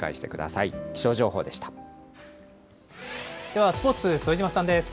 ではスポーツ、副島さんです。